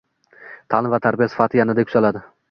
Ta’lim va tarbiya sifati yanada yuksaladi